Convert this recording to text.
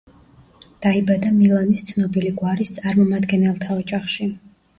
დაიბადა მილანის ცნობილი გვარის წარმომადგენელთა ოჯახში.